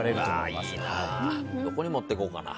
どこに持っていこうかな。